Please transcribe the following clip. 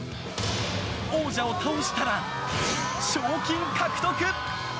王者を倒したら賞金獲得。